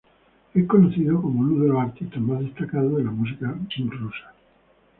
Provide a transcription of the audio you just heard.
Es conocido como uno de los artistas más destacados de la música rusa.